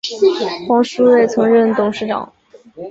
黄书锐曾任董事长。